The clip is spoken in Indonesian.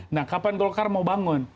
nah kapan golkar mau bangun